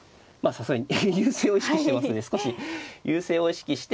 さすがに優勢を意識してますんで少し優勢を意識して。